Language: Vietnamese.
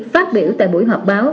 phát biểu tại buổi họp báo